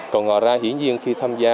còn họ ra hiển nhiên khi tham gia